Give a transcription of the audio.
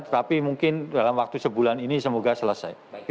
tapi mungkin dalam waktu sebulan ini semoga selesai